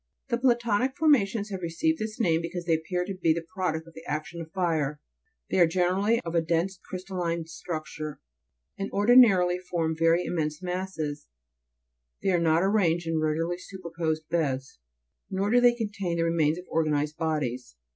' 26. The plutonic formations have received this name because they appear to be the product of the action of fire ; they are generally of a dense crystalline structure, and ordinarily form very immense masses ; they are not arranged in regularly superposed beds, nor do they contain the remains of organized bodies.